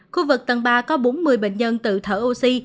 khu vực tầng ba có bốn mươi bệnh nhân tự thở oxy